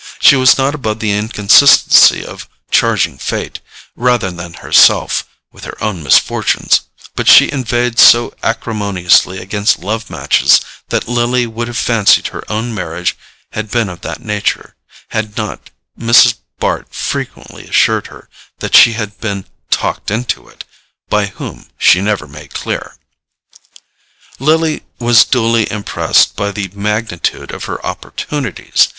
She was not above the inconsistency of charging fate, rather than herself, with her own misfortunes; but she inveighed so acrimoniously against love matches that Lily would have fancied her own marriage had been of that nature, had not Mrs. Bart frequently assured her that she had been "talked into it"—by whom, she never made clear. Lily was duly impressed by the magnitude of her opportunities.